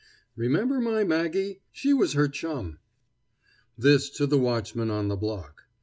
Remember my Maggie? She was her chum." This to the watchman on the block.